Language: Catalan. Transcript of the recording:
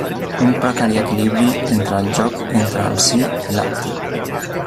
Un precari equilibri entre el joc entre el Sí i l’Altre.